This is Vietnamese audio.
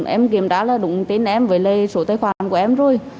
em kiểm tra là đúng tên em với số tài khoản của em rồi